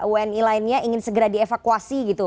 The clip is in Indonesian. wni lainnya ingin segera dievakuasi gitu